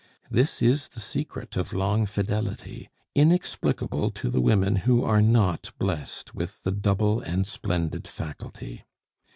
This is the secret of long fidelity, inexplicable to the women who are not blessed with the double and splendid faculty.